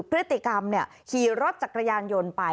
พฤติกรรมเนี่ยขี่รถจากกระยานยนต์ไป